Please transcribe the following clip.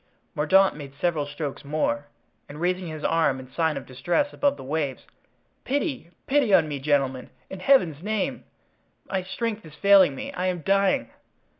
Mordaunt made several strokes more, and raising his arm in sign of distress above the waves: "Pity, pity on me, gentlemen, in Heaven's name! my strength is failing me; I am dying."